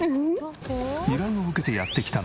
依頼を受けてやって来たのは